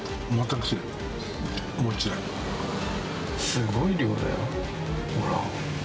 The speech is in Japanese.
すごい量だよ、ほら。